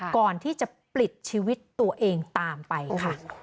ก่อนที่จะปลิดชีวิตตัวเองตามไปค่ะ